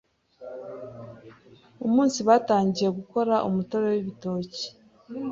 umunsi batangiye gukora umutobe w’ibitoki,